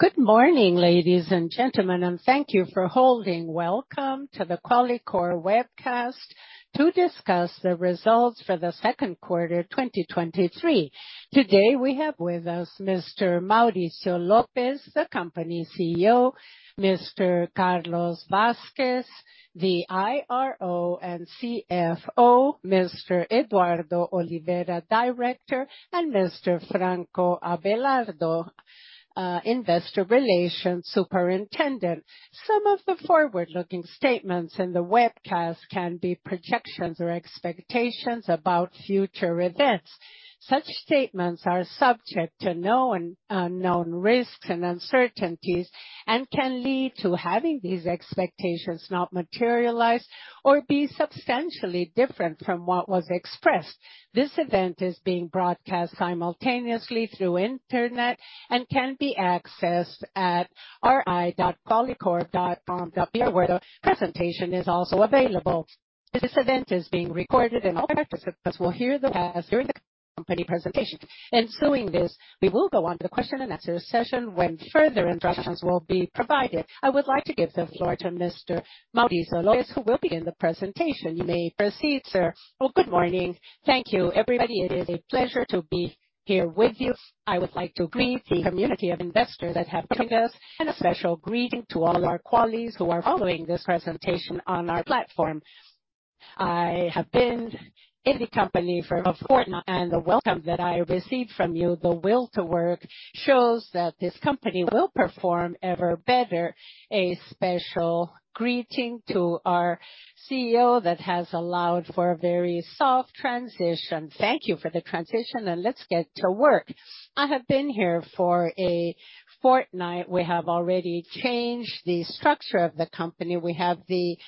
Good morning, ladies and gentlemen, and thank you for holding. Welcome to the Qualicorp webcast to discuss the results for the second quarter 2023. Today, we have with us Mr. Mauricio Lopes, the company CEO, Mr. Carlos Vasques, the IRO and CFO, Mr. Eduardo Oliveira, Director, and Mr. Franco Abelardo, Investor Relations Superintendent. Some of the forward-looking statements in the webcast can be projections or expectations about future events. Such statements are subject to known and unknown risks and uncertainties, and can lead to having these expectations not materialize or be substantially different from what was expressed. This event is being broadcast simultaneously through internet and can be accessed at ri.qualicorp.com.br, where the presentation is also available. This event is being recorded, and all participants will hear the past during the company presentation. Ensuing this, we will go on to the question and answer session, when further instructions will be provided. I would like to give the floor to Mr. Mauricio Lopes, who will begin the presentation. You may proceed, sir. Well, good morning. Thank you, everybody. It is a pleasure to be here with you. I would like to greet the community of investors that have joined us, and a special greeting to all our colleagues who are following this presentation on our platform. I have been in the company for a fortnight, and the welcome that I received from you, the will to work, shows that this company will perform ever better. A special greeting to our CEO that has allowed for a very soft transition. Thank you for the transition, and let's get to work. I have been here for a fortnight. We have already changed the structure of the company. We have the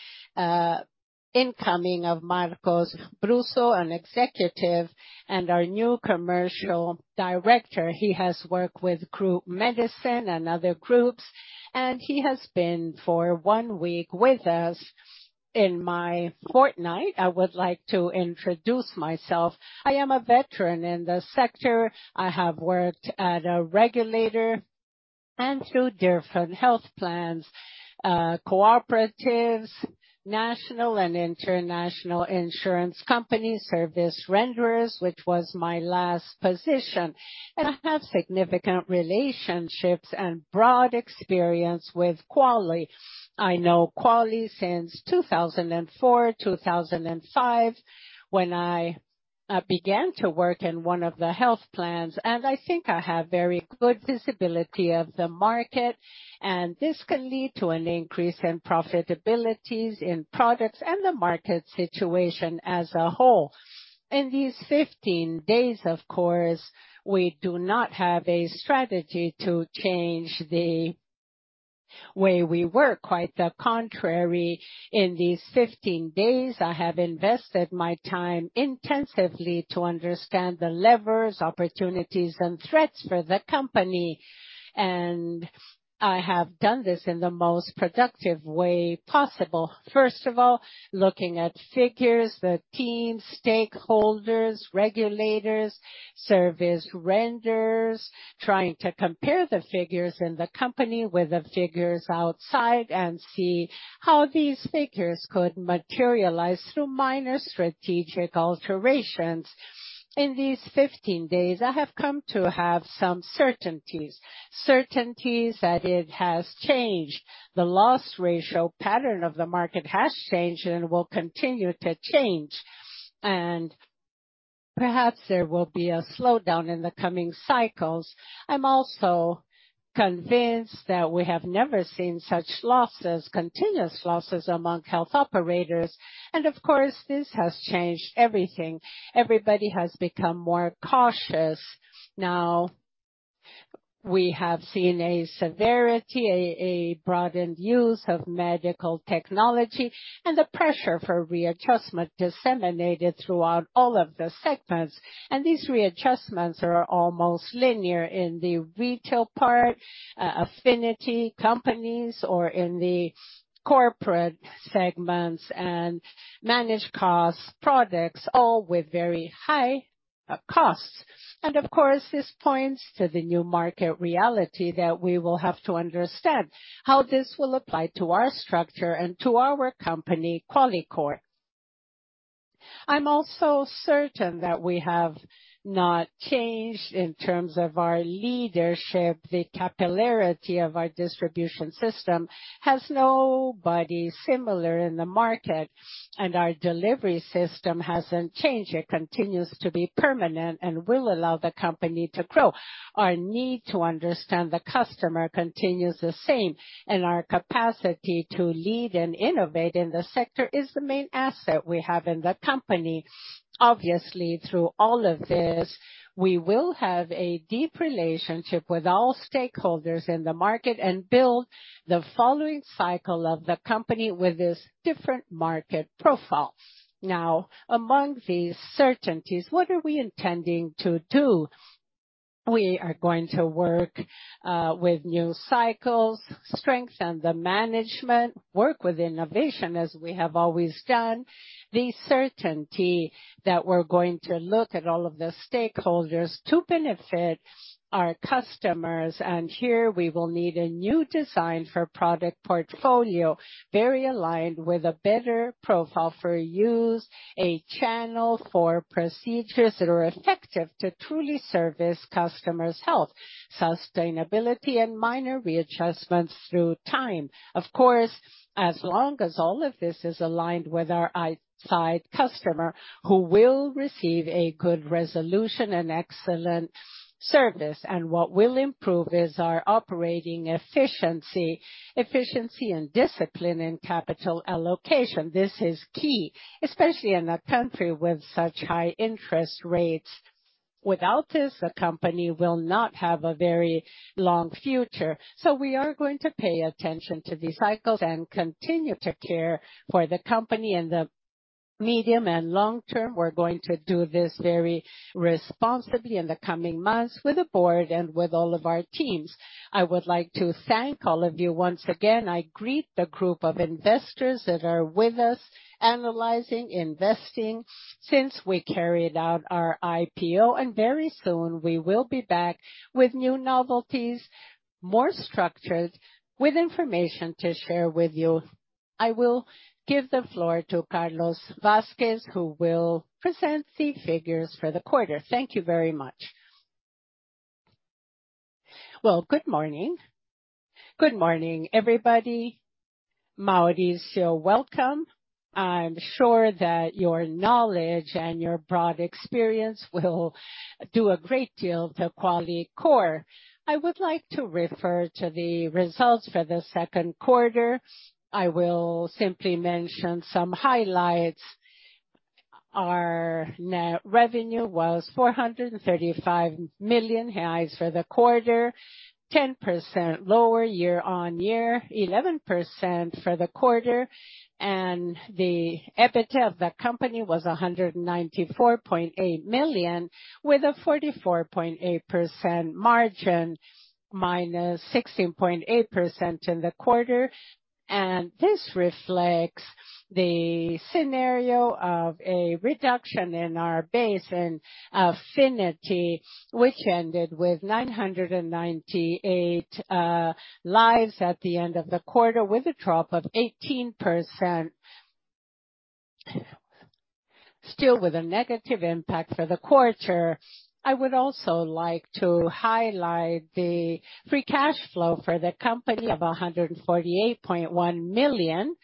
incoming of Marcos Brusso, an executive and our new Commercial Director. He has worked with Group Medicine and other groups. He has been for one week with us. In my two weeks, I would like to introduce myself. I am a veteran in the sector. I have worked at a regulator and two different health plans, cooperatives, national and international insurance companies, service renderers, which was my last position. I have significant relationships and broad experience with Quali. I know Quali since 2004, 2005, when I began to work in one of the health plans. I think I have very good visibility of the market, and this can lead to an increase in profitabilities in products and the market situation as a whole. In these 15 days, of course, we do not have a strategy to change the way we work. Quite the contrary, in these 15 days, I have invested my time intensively to understand the levers, opportunities and threats for the company. I have done this in the most productive way possible. First of all, looking at figures, the team, stakeholders, regulators, service renderers, trying to compare the figures in the company with the figures outside and see how these figures could materialize through minor strategic alterations. In these 15 days, I have come to have some certainties. Certainties that it has changed. The loss ratio pattern of the market has changed and will continue to change, and perhaps there will be a slowdown in the coming cycles. I'm also convinced that we have never seen such losses, continuous losses, among health operators. Of course, this has changed everything. Everybody has become more cautious. Now, we have seen a severity, a broadened use of medical technology and the pressure for readjustment disseminated throughout all of the segments. These readjustments are almost linear in the retail part, affinity companies or in the corporate segments and managed costs, products, all with very high costs. Of course, this points to the new market reality that we will have to understand how this will apply to our structure and to our company, Qualicorp. I'm also certain that we have not changed in terms of our leadership. The capillarity of our distribution system has nobody similar in the market, and our delivery system hasn't changed. It continues to be permanent and will allow the company to grow. Our need to understand the customer continues the same, and our capacity to lead and innovate in the sector is the main asset we have in the company. Obviously, through all of this, we will have a deep relationship with all stakeholders in the market and build the following cycle of the company with this different market profile. Now, among these certainties, what are we intending to do? We are going to work with new cycles, strengthen the management, work with innovation, as we have always done. The certainty that we're going to look at all of the stakeholders to benefit our customers, and here we will need a new design for product portfolio, very aligned with a better profile for use, a channel for procedures that are effective to truly service customers' health, sustainability, and minor readjustments through time. Of course, as long as all of this is aligned with our outside customer, who will receive a good resolution and excellent service. What will improve is our operating efficiency. Efficiency and discipline in capital allocation, this is key, especially in a country with such high interest rates. Without this, the company will not have a very long future. We are going to pay attention to these cycles and continue to care for the company in the medium and long term. We're going to do this very responsibly in the coming months with the board and with all of our teams. I would like to thank all of you once again. I greet the group of investors that are with us, analyzing, investing since we carried out our IPO, and very soon we will be back with new novelties, more structured, with information to share with you. I will give the floor to Carlos Vasques, who will present the figures for the quarter. Thank you very much. Well, good morning. Good morning, everybody. Mauricio, welcome. I'm sure that your knowledge and your broad experience will do a great deal to Qualicorp. I would like to refer to the results for the second quarter. I will simply mention some highlights. Our net revenue was 435 million for the quarter, 10% lower year-on-year, 11% for the quarter. The EBITDA of the company was 194.8 million, with a 44.8% margin, minus 16.8% in the quarter. This reflects the scenario of a reduction in our base in Affinity, which ended with 998 lives at the end of the quarter, with a drop of 18%. Still with a negative impact for the quarter. I would also like to highlight the free cash flow for the company of 148.1 million.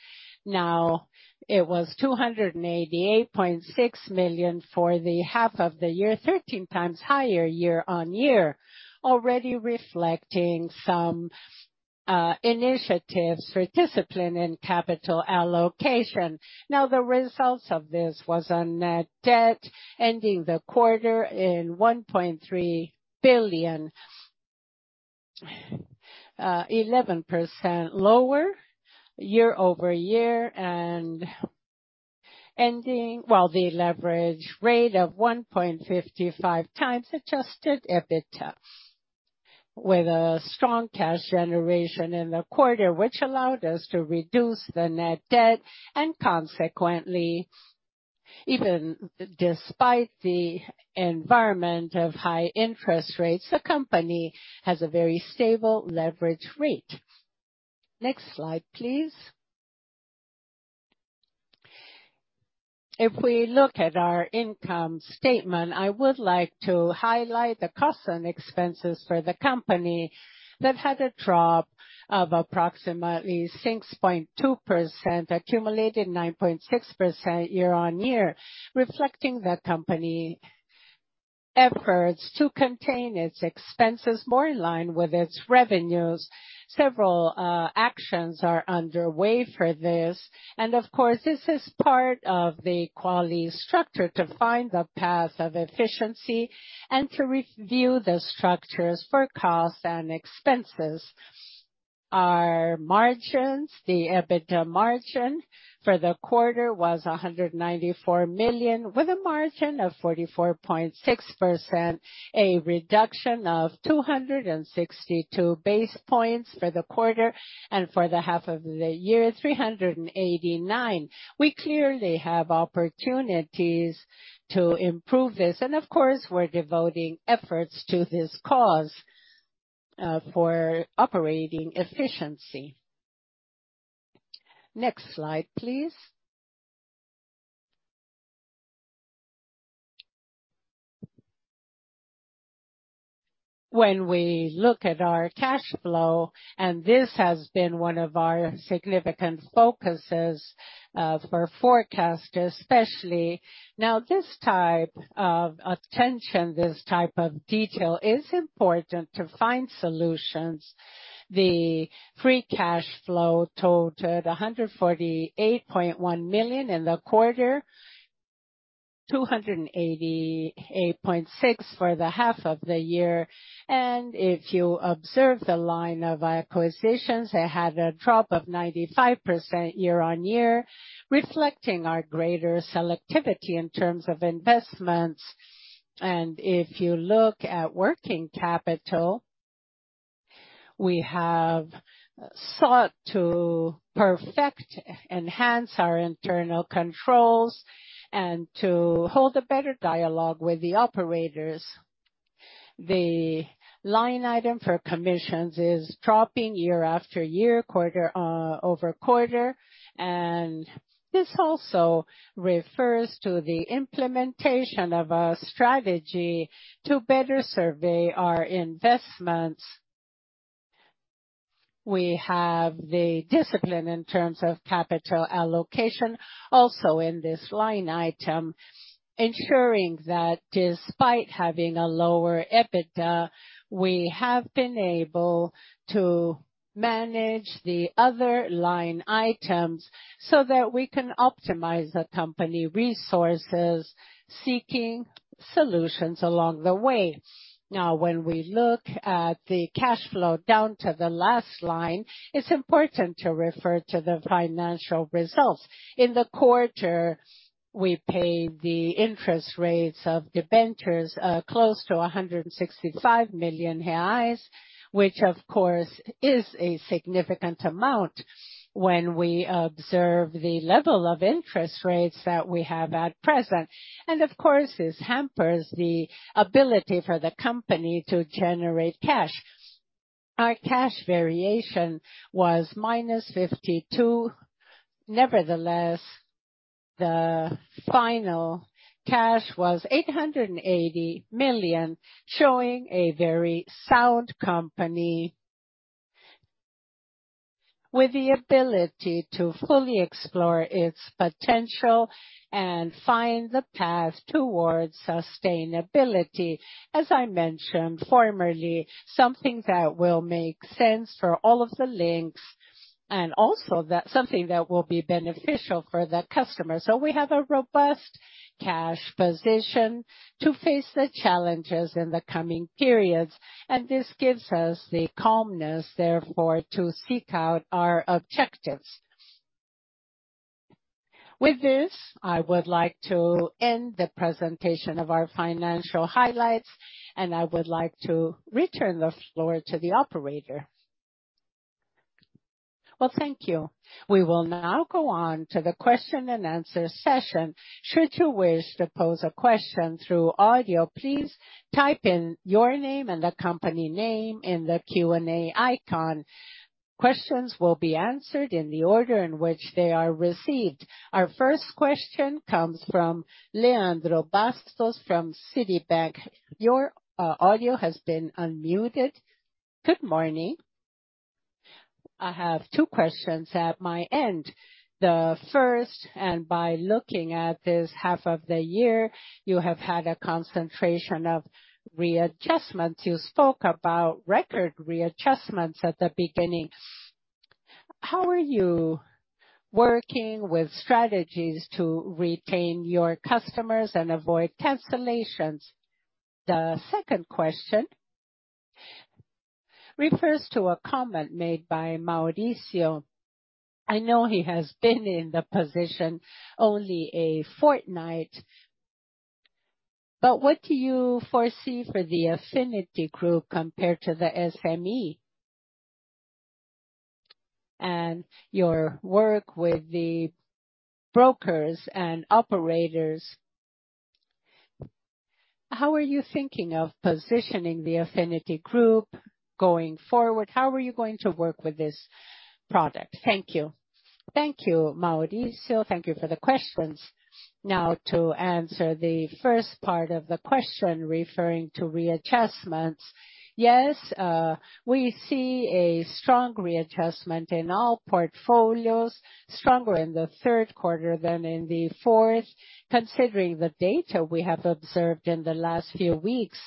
It was 288.6 million for the half of the year, 13 times higher year-on-year. Already reflecting some initiatives for discipline in capital allocation. The results of this was a net debt, ending the quarter in 1.3 billion, 11% lower year-over-year, and ending well, the leverage ratio of 1.55x adjusted EBITDA, with a strong cash generation in the quarter, which allowed us to reduce the net debt and consequently, even despite the environment of high interest rates, the company has a very stable leverage ratio. Next slide, please. If we look at our income statement, I would like to highlight the costs and expenses for the company that had a drop of approximately 6.2%, accumulated 9.6% year-on-year, reflecting the company efforts to contain its expenses more in line with its revenues. Several actions are underway for this. Of course, this is part of the Quali structure to find the path of efficiency and to review the structures for costs and expenses. Our margins, the EBITDA margin for the quarter was 194 million, with a margin of 44.6%, a reduction of 262 basis points for the quarter, and for the half of the year, 389. We clearly have opportunities to improve this. Of course, we're devoting efforts to this cause for operating efficiency. Next slide, please. When we look at our cash flow, this has been one of our significant focuses for forecast especially. This type of attention, this type of detail, is important to find solutions. The free cash flow totaled 148.1 million in the quarter, 288.6 million for the half of the year. If you observe the line of acquisitions, it had a drop of 95% year-on-year, reflecting our greater selectivity in terms of investments. If you look at working capital, we have sought to perfect, enhance our internal controls and to hold a better dialogue with the operators. The line item for commissions is dropping year after year, quarter-over-quarter, and this also refers to the implementation of a strategy to better survey our investments. We have the discipline in terms of capital allocation, also in this line item, ensuring that despite having a lower EBITDA, we have been able to manage the other line items so that we can optimize the company resources, seeking solutions along the way. When we look at the cash flow down to the last line, it's important to refer to the financial results. In the quarter, we paid the interest rates of debentures, close to 165 million reais, which of course, is a significant amount when we observe the level of interest rates that we have at present. Of course, this hampers the ability for the company to generate cash. Our cash variation was -52 million. Nevertheless, the final cash was 880 million, showing a very sound company, with the ability to fully explore its potential and find the path towards sustainability. As I mentioned formerly, something that will make sense for all of the links, and also something that will be beneficial for the customer. We have a robust cash position to face the challenges in the coming periods, and this gives us the calmness, therefore, to seek out our objectives. With this, I would like to end the presentation of our financial highlights, and I would like to return the floor to the operator. Thank you. We will now go on to the question-and-answer session. Should you wish to pose a question through audio, please type in your name and the company name in the Q&A icon. Questions will be answered in the order in which they are received. Our first question comes from Leandro Bastos, from Citi. Your audio has been unmuted. Good morning. I have two questions at my end. The first, by looking at this half of the year, you have had a concentration of readjustments. You spoke about record readjustments at the beginning. How are you working with strategies to retain your customers and avoid cancellations? The second question refers to a comment made by Mauricio. I know he has been in the position only a fortnight, but what do you foresee for the Affinity group compared to the SME? Your work with the brokers and operators, how are you thinking of positioning the Affinity group going forward? How are you going to work with this product? Thank you. Thank you, Mauricio. Thank you for the questions. Now, to answer the first part of the question, referring to readjustments. Yes, we see a strong readjustment in all portfolios, stronger in the third quarter than in the fourth, considering the data we have observed in the last few weeks.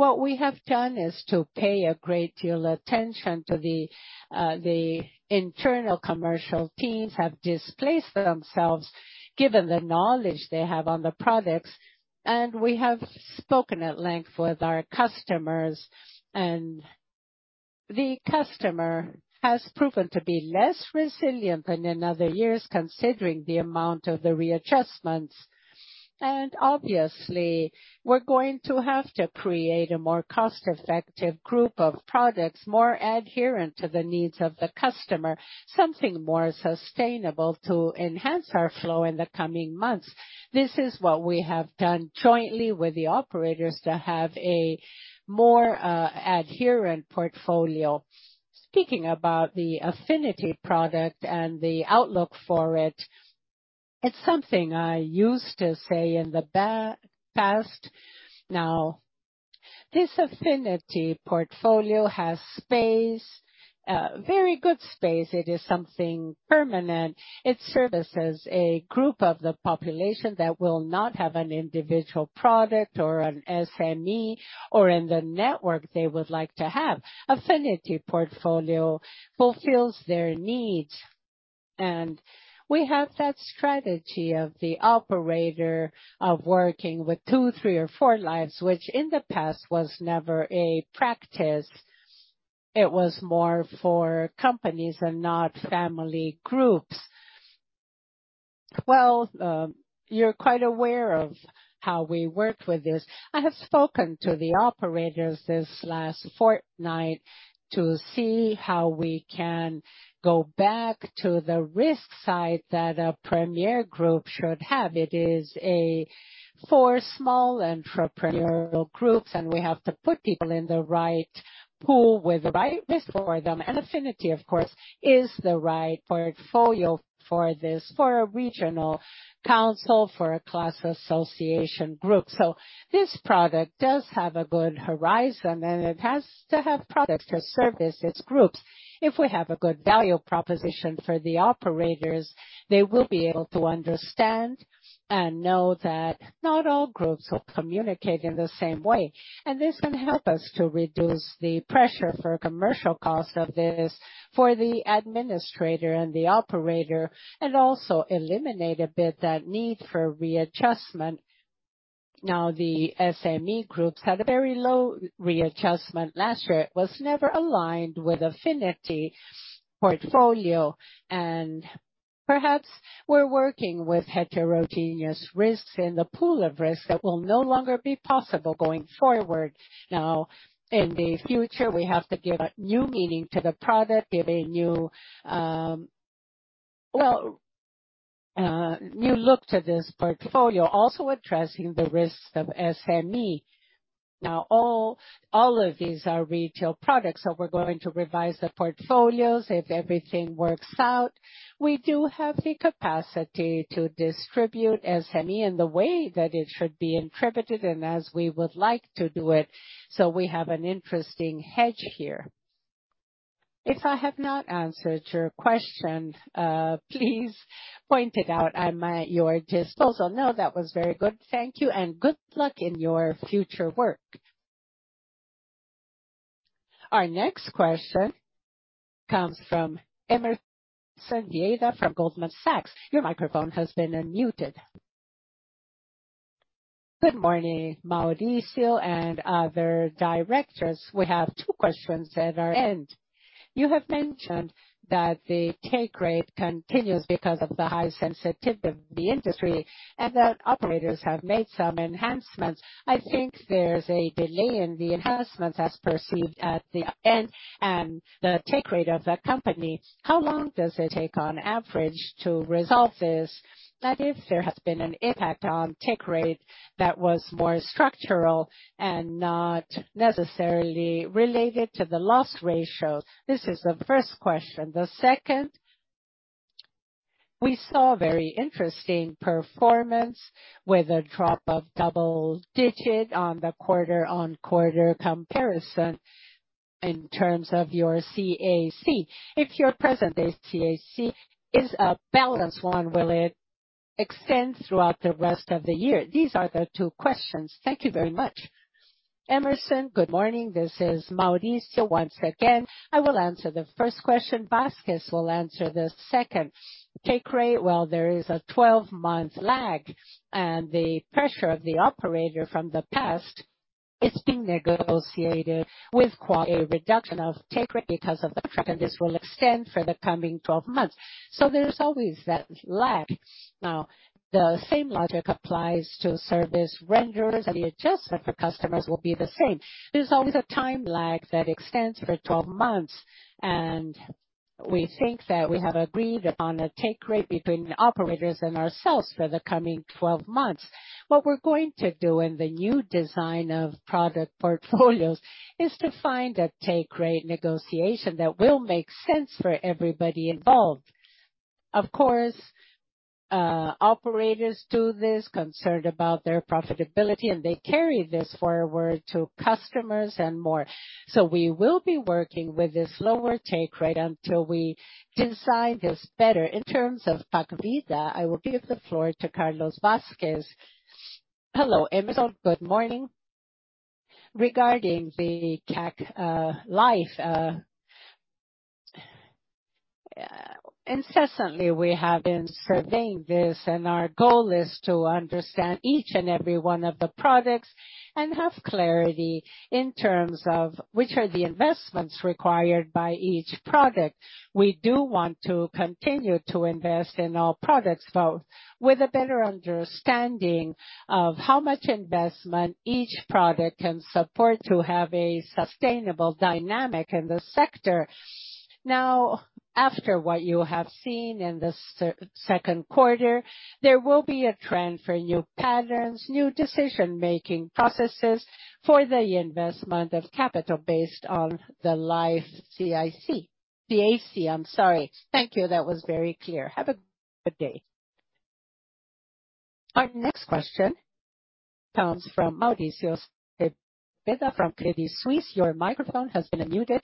What we have done is to pay a great deal attention to the internal commercial teams have displaced themselves, given the knowledge they have on the products, and we have spoken at length with our customers. The customer has proven to be less resilient than in other years, considering the amount of the readjustments. Obviously, we're going to have to create a more cost-effective group of products, more adherent to the needs of the customer, something more sustainable to enhance our flow in the coming months. This is what we have done jointly with the operators to have a more adherent portfolio. Speaking about the Affinity product and the outlook for it, it's something I used to say in the past. Now, this Affinity portfolio has space, very good space. It is something permanent. It services a group of the population that will not have an individual product or an SME or in the network they would like to have. Affinity portfolio fulfills their needs, and we have that strategy of the operator of working with two, three, or four lives, which in the past was never a practice. It was more for companies and not family groups. Well, you're quite aware of how we work with this. I have spoken to the operators this last fortnight to see how we can go back to the risk side that a premier group should have. It is four small entrepreneurial groups, and we have to put people in the right pool with the right risk for them. Affinity, of course, is the right portfolio for this, for a regional council, for a class association group. This product does have a good horizon, and it has to have products to service its groups. If we have a good value proposition for the operators, they will be able to understand and know that not all groups will communicate in the same way, and this can help us to reduce the pressure for commercial cost of this, for the administrator and the operator, and also eliminate a bit that need for readjustment. Now, the SME groups had a very low readjustment last year. It was never aligned with Affinity portfolio, and perhaps we're working with heterogeneous risks in the pool of risks that will no longer be possible going forward. In the future, we have to give a new meaning to the product, give a new, Well, new look to this portfolio, also addressing the risks of SME. All, all of these are retail products, so we're going to revise the portfolios if everything works out. We do have the capacity to distribute SME in the way that it should be interpreted and as we would like to do it, so we have an interesting hedge here. If I have not answered your question, please point it out. I'm at your disposal. No, that was very good. Thank you, and good luck in your future work. Our next question comes from Emerson Vieira from Goldman Sachs. Your microphone has been unmuted. Good morning, Mauricio and other directors. We have two questions at our end. You have mentioned that the take rate continues because of the high sensitivity of the industry, and that operators have made some enhancements. I think there's a delay in the enhancements as perceived at the end and the take rate of the company. How long does it take, on average, to resolve this? That if there has been an impact on take rate that was more structural and not necessarily related to the loss ratio. This is the first question. The second, we saw very interesting performance with a drop of double-digit on the quarter-on-quarter comparison in terms of your CAC. If your present day CAC is a balanced one, will it extend throughout the rest of the year? These are the two questions. Thank you very much. Emerson, good morning. This is Mauricio once again. I will answer the first question, Vasques will answer the second. Take rate, well, there is a 12-month lag, and the pressure of the operator from the past is being negotiated with quite a reduction of take rate because of the. This will extend for the coming 12 months. There's always that lag. Now, the same logic applies to service renderers, and the adjustment for customers will be the same. There's always a time lag that extends for 12 months, and we think that we have agreed on a take rate between the operators and ourselves for the coming 12 months. What we're going to do in the new design of product portfolios is to find a take rate negotiation that will make sense for everybody involved. Of course, operators do this concerned about their profitability, and they carry this forward to customers and more. We will be working with this lower take rate until we design this better. In terms of Pacvida, I will give the floor to Carlos Vasques. Hello, Emerson. Good morning. Regarding the CAC, life, incessantly, we have been surveying this, and our goal is to understand each and every one of the products and have clarity in terms of which are the investments required by each product. We do want to continue to invest in all products, but with a better understanding of how much investment each product can support to have a sustainable dynamic in the sector. Now, after what you have seen in the second quarter, there will be a trend for new patterns, new decision-making processes for the investment of capital based on the life CIC. CAC, I'm sorry. Thank you. That was very clear. Have a good day. Our next question comes from Mauricio Cepeda from Credit Suisse. Your microphone has been unmuted.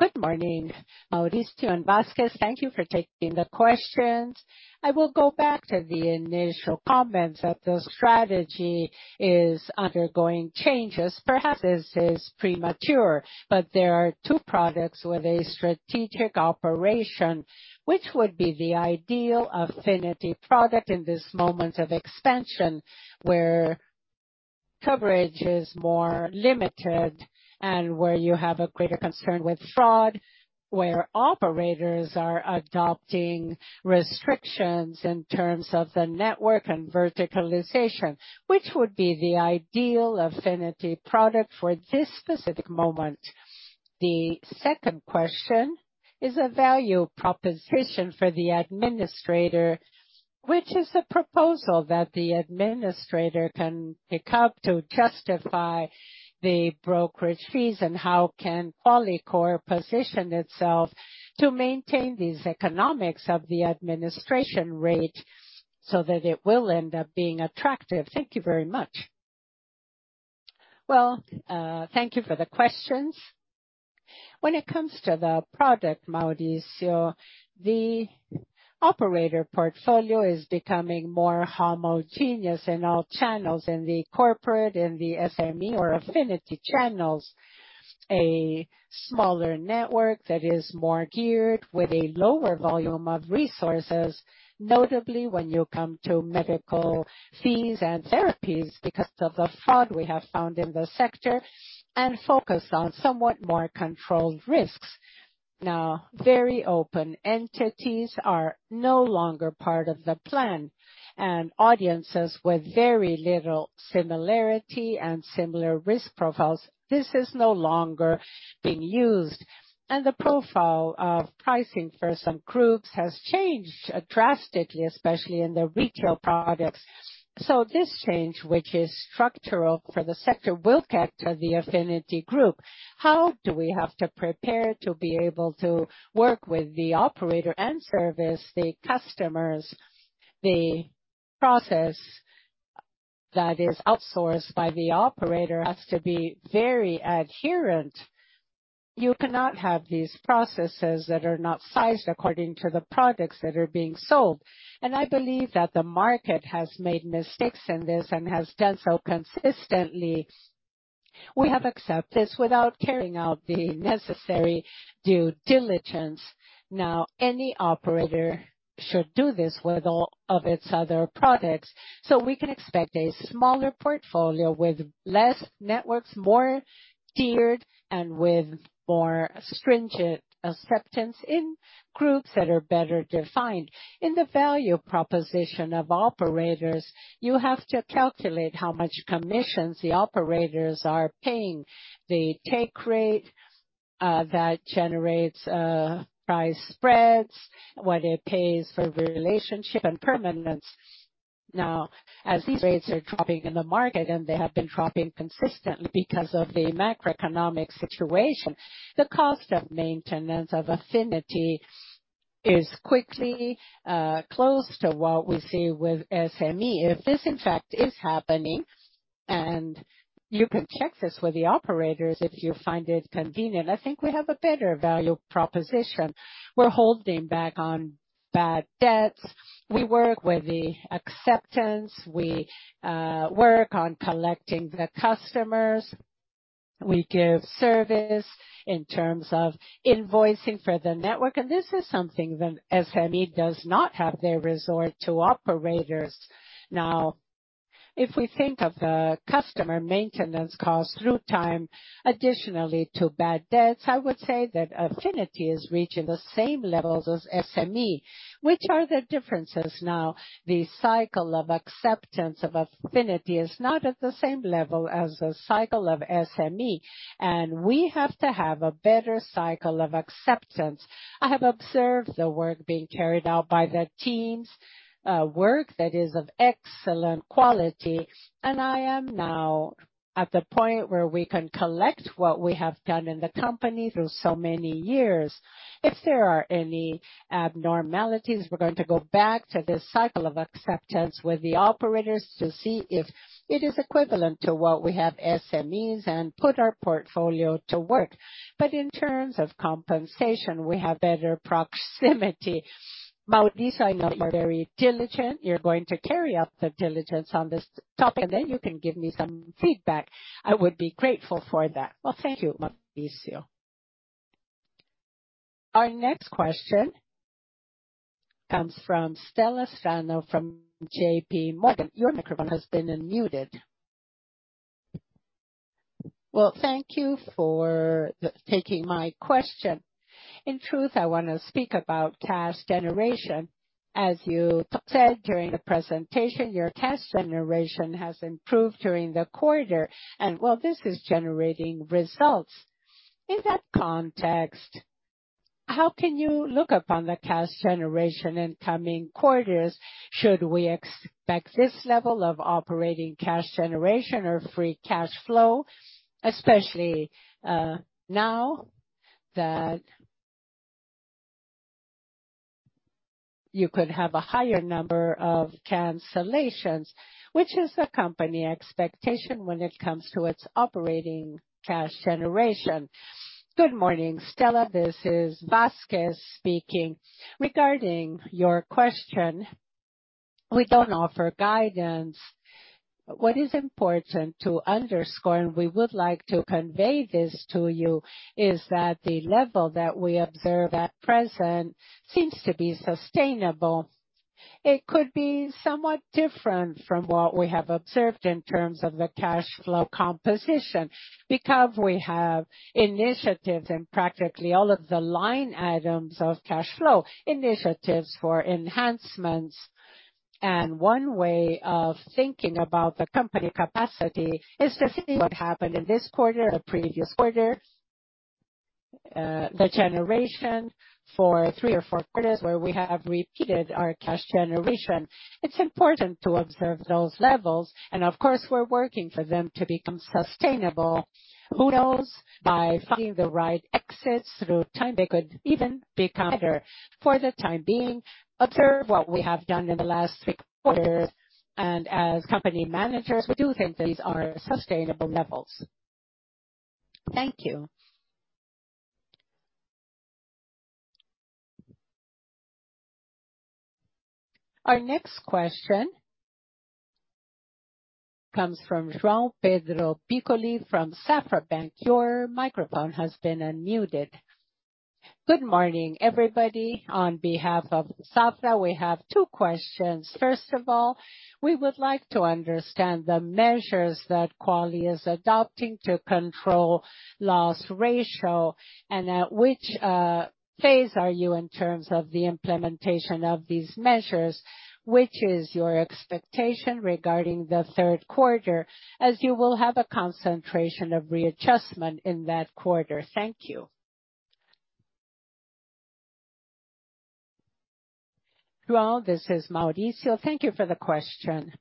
Good morning, Mauricio and Vasquez. Thank you for taking the questions. I will go back to the initial comments that the strategy is undergoing changes. Perhaps this is premature, but there are two products with a strategic operation, which would be the ideal Affinity product in this moment of expansion, where coverage is more limited and where you have a greater concern with fraud, where operators are adopting restrictions in terms of the network and verticalization, which would be the ideal Affinity product for this specific moment? The second question is a value proposition for the administrator, which is a proposal that the administrator can pick up to justify the brokerage fees, and how can Qualicorp position itself to maintain these economics of the administration rate so that it will end up being attractive? Thank you very much. Well, thank you for the questions. When it comes to the product, Mauricio, the operator portfolio is becoming more homogeneous in all channels, in the corporate, in the SME or Affinity channels. A smaller network that is more geared with a lower volume of resources, notably when you come to medical fees and therapies because of the fraud we have found in the sector and focused on somewhat more controlled risks. Now, very open entities are no longer part of the plan, and audiences with very little similarity and similar risk profiles, this is no longer being used, and the profile of pricing for some groups has changed drastically, especially in the retail products. This change, which is structural for the sector, will capture the Affinity group. How do we have to prepare to be able to work with the operator and service the customers? The process that is outsourced by the operator has to be very adherent. You cannot have these processes that are not sized according to the products that are being sold, and I believe that the market has made mistakes in this and has done so consistently. We have accepted this without carrying out the necessary due diligence. Now, any operator should do this with all of its other products. We can expect a smaller portfolio with less networks, more tiered, and with more stringent acceptance in groups that are better defined. In the value proposition of operators, you have to calculate how much commissions the operators are paying. The take rate, that generates price spreads, what it pays for the relationship and permanence. Now, as these rates are dropping in the market, and they have been dropping consistently because of the macroeconomic situation, the cost of maintenance of Affinity is quickly close to what we see with SME. If this, in fact, is happening, and you can check this with the operators if you find it convenient, I think we have a better value proposition. We're holding back on bad debts. We work with the acceptance. We work on collecting the customers. We give service in terms of invoicing for the network, and this is something that SME does not have there resort to operators. Now, if we think of the customer maintenance cost through time, additionally to bad debts, I would say that Affinity is reaching the same levels as SME. Which are the differences now? The cycle of acceptance of Affinity is not at the same level as the cycle of SME, and we have to have a better cycle of acceptance. I have observed the work being carried out by the teams, work that is of excellent quality, and I am now at the point where we can collect what we have done in the company through so many years. If there are any abnormalities, we're going to go back to this cycle of acceptance with the operators to see if it is equivalent to what we have SMEs and put our portfolio to work. In terms of compensation, we have better proximity. Mauricio, I know you're very diligent. You're going to carry out the diligence on this topic, and then you can give me some feedback. I would be grateful for that. Well, thank you, Mauricio. Our next question comes from Estela Sano, from JP Morgan. Your microphone has been unmuted. Well, thank you for taking my question. In truth, I want to speak about cash generation. As you said during the presentation, your cash generation has improved during the quarter, and well, this is generating results. In that context, how can you look upon the cash generation in coming quarters? Should we expect this level of operating cash generation or free cash flow, especially, now that you could have a higher number of cancellations? Which is the company expectation when it comes to its operating cash generation? Good morning, Stella. This is Vazquez speaking. Regarding your question, we don't offer guidance. What is important to underscore, and we would like to convey this to you, is that the level that we observe at present seems to be sustainable. It could be somewhat different from what we have observed in terms of the cash flow composition, because we have initiatives in practically all of the line items of cash flow, initiatives for enhancements. One way of thinking about the company capacity is to see what happened in this quarter, the previous quarter, the generation for three or four quarters, where we have repeated our cash generation. It's important to observe those levels, of course, we're working for them to become sustainable. Who knows, by finding the right exits through time, they could even be better. For the time being, observe what we have done in the last three quarters, as company managers, we do think these are sustainable levels. Thank you. Our next question comes from João Pedro Piccoli from Banco Safra. Your microphone has been unmuted. Good morning, everybody. On behalf of Safra, we have two questions. First of all, we would like to understand the measures that Quali is adopting to control loss ratio, at which phase are you in terms of the implementation of these measures? Which is your expectation regarding the third quarter, as you will have a concentration of readjustment in that quarter? Thank you. João, this is Mauricio. Thank you for the question.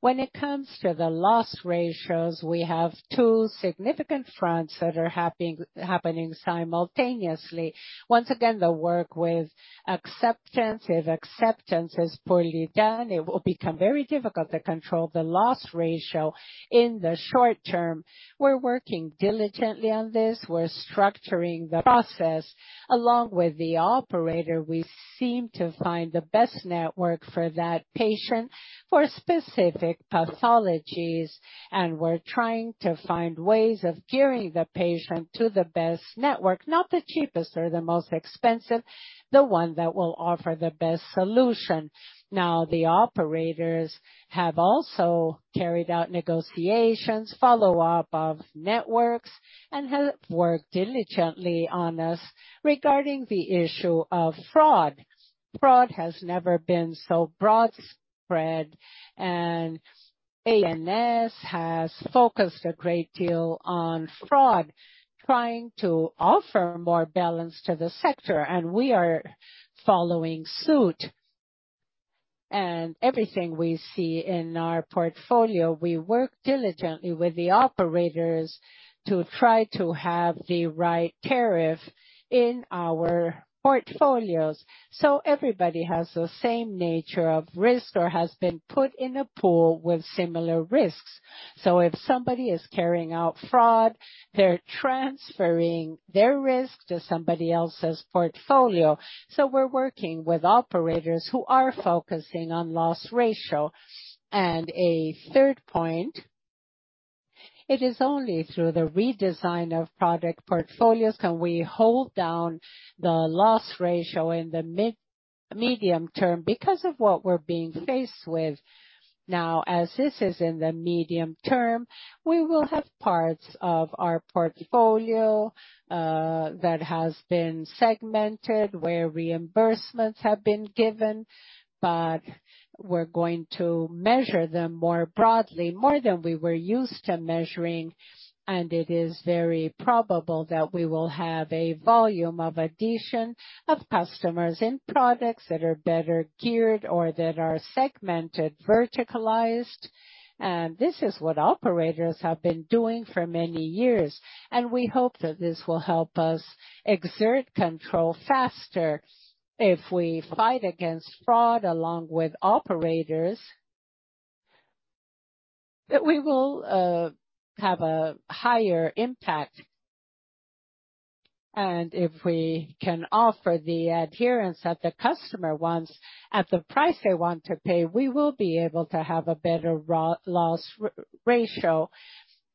When it comes to the loss ratios, we have two significant fronts that are happening, happening simultaneously. Once again, the work with acceptance. If acceptance is poorly done, it will become very difficult to control the loss ratio in the short term. We're working diligently on this. We're structuring the process. Along with the operator, we seem to find the best network for that patient for specific pathologies, and we're trying to find ways of gearing the patient to the best network, not the cheapest or the most expensive, the one that will offer the best solution. Now, the operators have also carried out negotiations, follow-up of networks, and have worked diligently on us regarding the issue of fraud. Fraud has never been so broad spread, and ANS has focused a great deal on fraud, trying to offer more balance to the sector, and we are following suit. Everything we see in our portfolio, we work diligently with the operators to try to have the right tariff in our portfolios, so everybody has the same nature of risk or has been put in a pool with similar risks. If somebody is carrying out fraud, they're transferring their risk to somebody else's portfolio. We're working with operators who are focusing on loss ratio. A third point, it is only through the redesign of product portfolios can we hold down the loss ratio in the mid- medium term because of what we're being faced with. Now, as this is in the medium term, we will have parts of our portfolio that has been segmented, where reimbursements have been given, but we're going to measure them more broadly, more than we were used to measuring. It is very probable that we will have a volume of addition of customers and products that are better geared or that are segmented, verticalized. This is what operators have been doing for many years, and we hope that this will help us exert control faster. If we fight against fraud along with operators, that we will have a higher impact. If we can offer the adherence that the customer wants at the price they want to pay, we will be able to have a better loss ratio.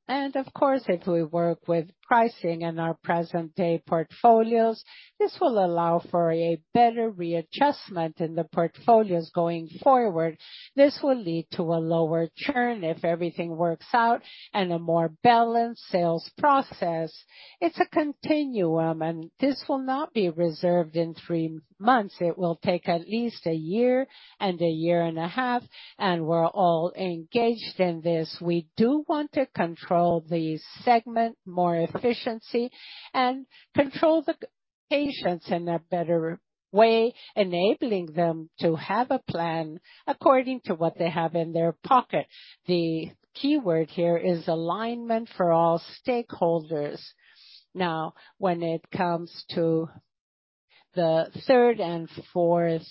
Of course, if we work with pricing in our present-day portfolios, this will allow for a better readjustment in the portfolios going forward. This will lead to a lower churn if everything works out, and a more balanced sales process. It's a continuum, and this will not be reserved in three months. It will take at least one year and a year and a half. We're all engaged in this. We do want to control the segment, more efficiency, and control the patients in a better way, enabling them to have a plan according to what they have in their pocket. The key word here is alignment for all stakeholders. When it comes to the third and fourth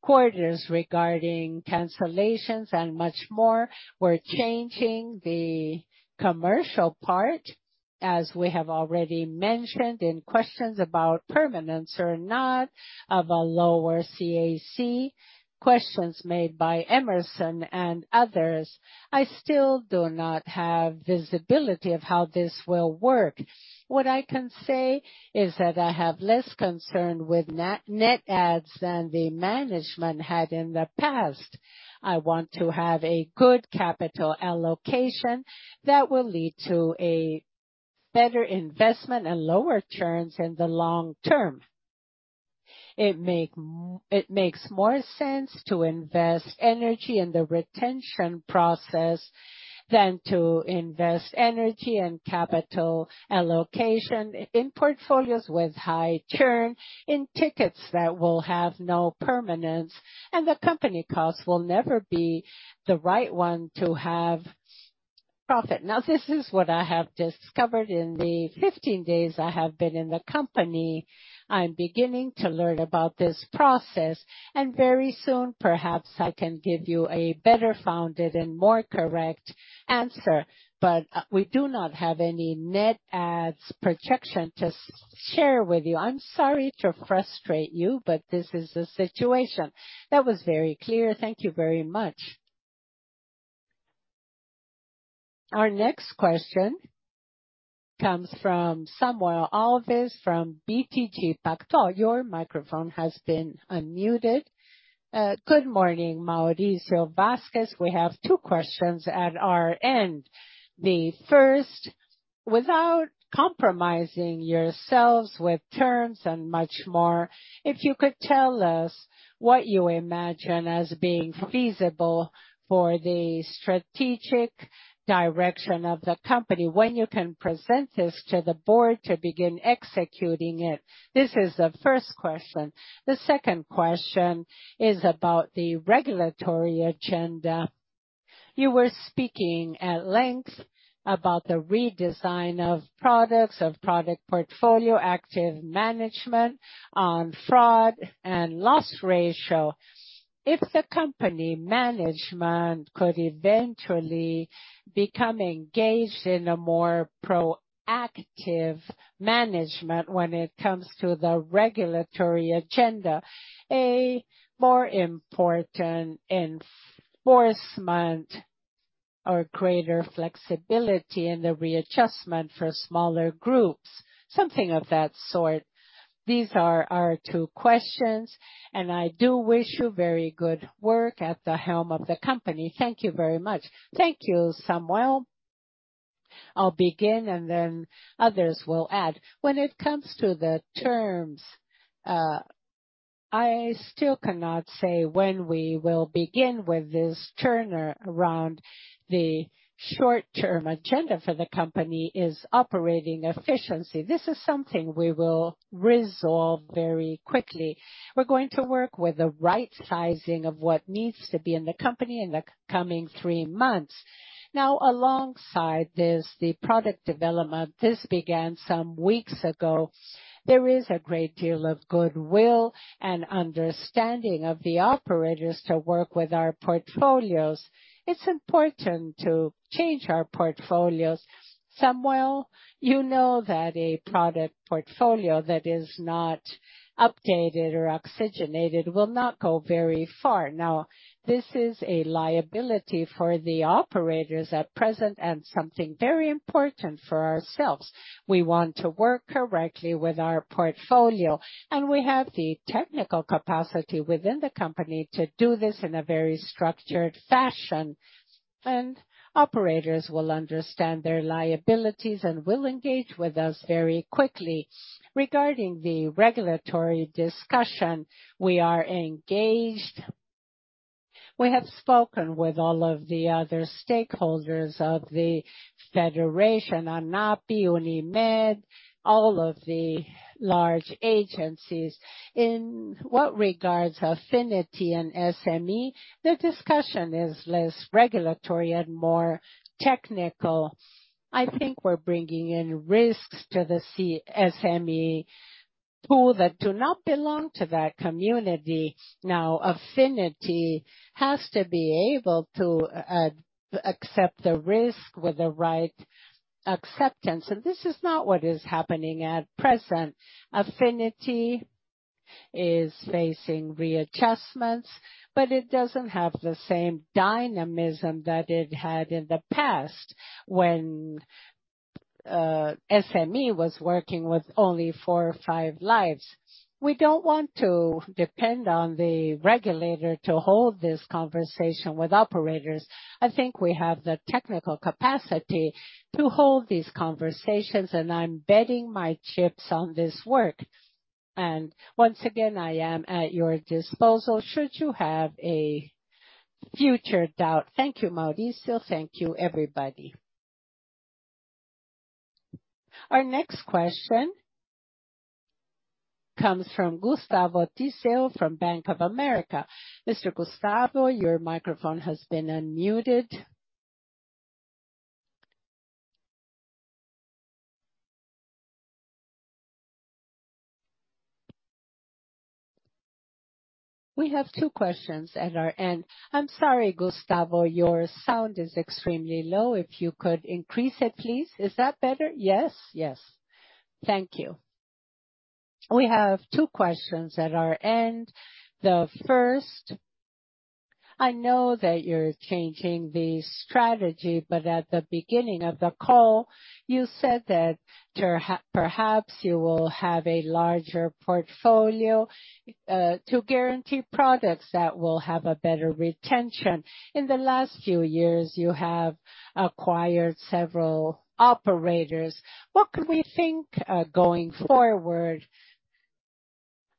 quarters regarding cancellations and much more, we're changing the commercial part. As we have already mentioned in questions about permanence or not, of a lower CAC, questions made by Emerson and others, I still do not have visibility of how this will work. What I can say is that I have less concern with net adds than the management had in the past. I want to have a good capital allocation that will lead to a better investment and lower churns in the long term. It makes more sense to invest energy in the retention process than to invest energy and capital allocation in portfolios with high churn, in tickets that will have no permanence, and the company costs will never be the right one to have profit. This is what I have discovered in the 15 days I have been in the company. I'm beginning to learn about this process, and very soon, perhaps I can give you a better-founded and more correct answer. We do not have any net adds protection to share with you. I'm sorry to frustrate you, but this is the situation. That was very clear. Thank you very much. Our next question comes from Samuel Alves, from BTG Pactual. Your microphone has been unmuted. Good morning, Mauricio Vasquez. We have two questions at our end. The first, without compromising yourselves with terms and much more, if you could tell us what you imagine as being feasible for the strategic direction of the company, when you can present this to the board to begin executing it? This is the first question. The second question is about the regulatory agenda. You were speaking at length about the redesign of products, of product portfolio, active management on fraud and loss ratio. If the company management could eventually become engaged in a more proactive management when it comes to the regulatory agenda, a more important enforcement or greater flexibility in the readjustment for smaller groups, something of that sort. These are our two questions, and I do wish you very good work at the helm of the company. Thank you very much. Thank you, Samuel. I'll begin, and then others will add. When it comes to the terms, I still cannot say when we will begin with this turnaround. The short-term agenda for the company is operating efficiency. This is something we will resolve very quickly. We're going to work with the right sizing of what needs to be in the company in the coming three months. Alongside this, the product development, this began some weeks ago. There is a great deal of goodwill and understanding of the operators to work with our portfolios. It's important to change our portfolios. Samuel, you know that a product portfolio that is not updated or oxygenated will not go very far. This is a liability for the operators at present and something very important for ourselves. We want to work correctly with our portfolio, and we have the technical capacity within the company to do this in a very structured fashion, and operators will understand their liabilities and will engage with us very quickly. Regarding the regulatory discussion, we are engaged. We have spoken with all of the other stakeholders of the federation, ANAB, Unimed, all of the large agencies. In what regards Affinity and SME, the discussion is less regulatory and more technical. I think we're bringing in risks to the SME pool that do not belong to that community. Now, Affinity has to be able to accept the risk with the right acceptance, and this is not what is happening at present. Affinity is facing readjustments, but it doesn't have the same dynamism that it had in the past when SME was working with only four or five lives. We don't want to depend on the regulator to hold this conversation with operators. I think we have the technical capacity to hold these conversations, I'm betting my chips on this work. Once again, I am at your disposal should you have a future doubt. Thank you, Mauricio. Thank you, everybody. Our next question comes from Gustavo Tiseo from Bank of America. Mr. Gustavo, your microphone has been unmuted. We have two questions at our end. I'm sorry, Gustavo, your sound is extremely low. If you could increase it, please. Is that better? Yes, yes. Thank you. We have two questions at our end. The first, I know that you're changing the strategy, at the beginning of the call, you said that perhaps you will have a larger portfolio to guarantee products that will have a better retention. In the last few years, you have acquired several operators. What could we think going forward?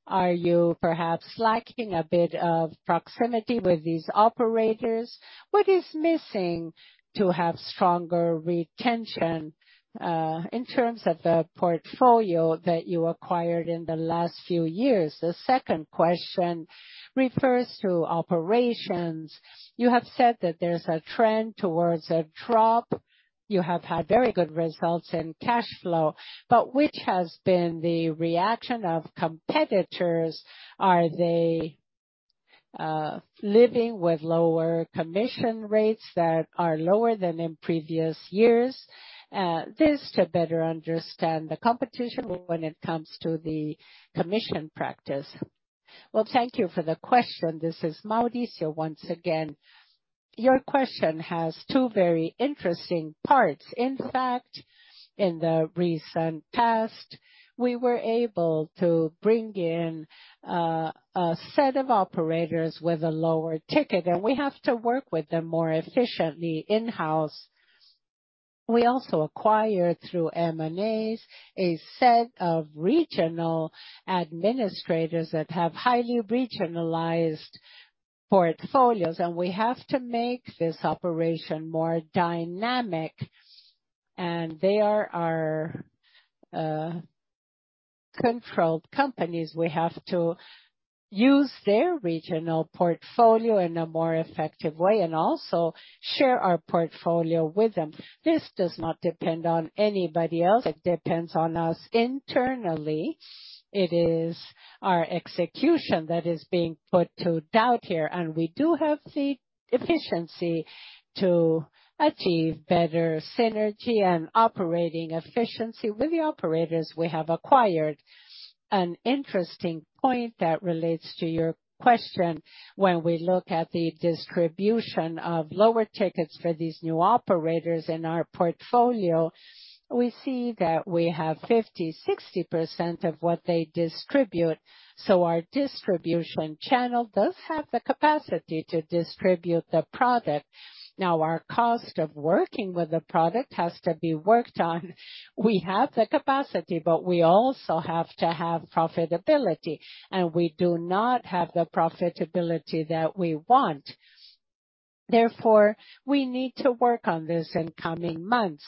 Are you perhaps lacking a bit of proximity with these operators? What is missing to have stronger retention in terms of the portfolio that you acquired in the last few years? The second question refers to operations. You have said that there's a trend towards a drop. You have had very good results in cash flow, which has been the reaction of competitors? Are they living with lower commission rates that are lower than in previous years? This to better understand the competition when it comes to the commission practice. Well, thank you for the question. This is Mauricio once again. Your question has two very interesting parts. In fact, in the recent past, we were able to bring in a set of operators with a lower ticket, and we have to work with them more efficiently in-house. We also acquired, through M&As, a set of regional administrators that have highly regionalized portfolios, and we have to make this operation more dynamic, and they are our controlled companies. We have to use their regional portfolio in a more effective way and also share our portfolio with them. This does not depend on anybody else. It depends on us internally. It is our execution that is being put to doubt here, and we do have the efficiency to achieve better synergy and operating efficiency with the operators we have acquired. An interesting point that relates to your question, when we look at the distribution of lower tickets for these new operators in our portfolio, we see that we have 50%-60% of what they distribute. Our distribution channel does have the capacity to distribute the product. Our cost of working with the product has to be worked on. We have the capacity, but we also have to have profitability, and we do not have the profitability that we want. Therefore, we need to work on this in coming months.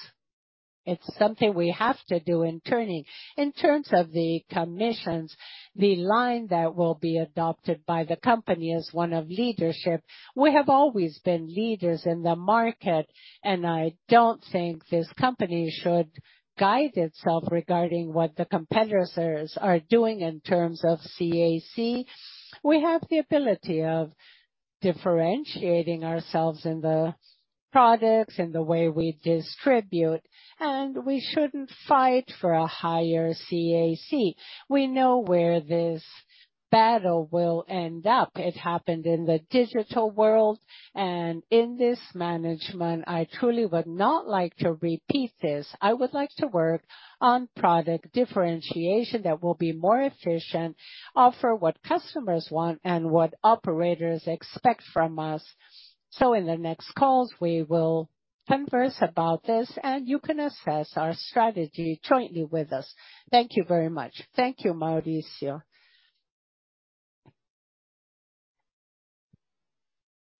It's something we have to do internally. In terms of the commissions, the line that will be adopted by the company is one of leadership. We have always been leaders in the market. I don't think this company should guide itself regarding what the competitors are doing in terms of CAC. We have the ability of differentiating ourselves in the products and the way we distribute, and we shouldn't fight for a higher CAC. We know where this battle will end up. It happened in the digital world, and in this management, I truly would not like to repeat this. I would like to work on product differentiation that will be more efficient, offer what customers want and what operators expect from us. In the next calls, we will converse about this, and you can assess our strategy jointly with us. Thank you very much. Thank you, Mauricio.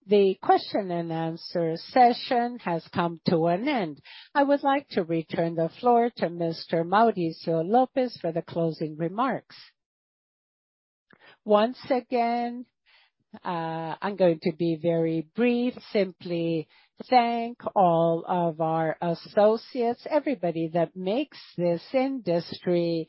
The question and answer session has come to an end. I would like to return the floor to Mr. Mauricio Lopes for the closing remarks. Once again, I'm going to be very brief, simply thank all of our associates, everybody that makes this industry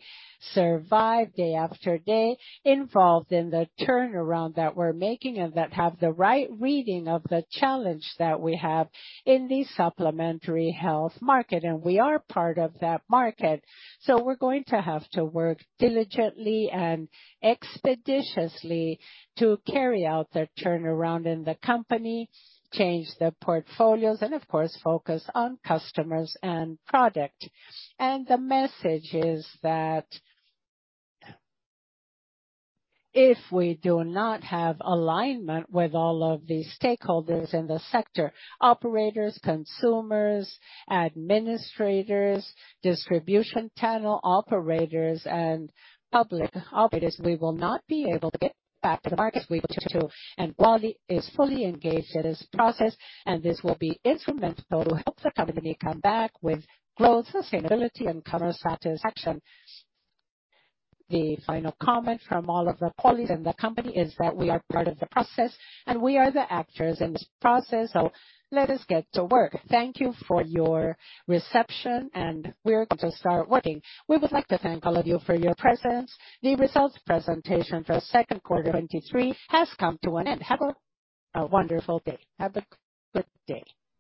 survive day after day, involved in the turnaround that we're making and that have the right reading of the challenge that we have in the supplementary health market, and we are part of that market. We're going to have to work diligently and expeditiously to carry out the turnaround in the company, change the portfolios and of course, focus on customers and product. The message is that, if we do not have alignment with all of the stakeholders in the sector, operators, consumers, administrators, distribution channel operators, and public operators, we will not be able to get back to the market we want to. Quali is fully engaged in this process, and this will be instrumental to help the company come back with growth, sustainability and customer satisfaction. The final comment from all of the colleagues in the company is that we are part of the process, and we are the actors in this process, so let us get to work. Thank you for your reception, and we are going to start working. We would like to thank all of you for your presence. The results presentation for second quarter 2023 has come to an end. Have a wonderful day. Have a good day.